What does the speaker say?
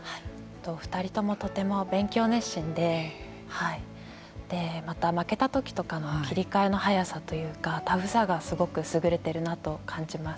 ２人ともとても勉強熱心で負けた時とかの切り替えの早さというかタフさがすごく優れているなと感じています。